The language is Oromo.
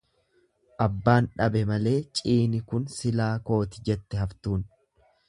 Abbaan dhabe malee ciini kun silaa kooti jette haftuun.